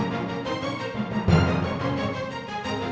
trus jatuh tangan kok ngerti ga ya